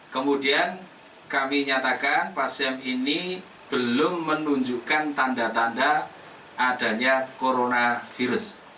kemudian kami nyatakan pasien ini belum menunjukkan tanda tanda adanya coronavirus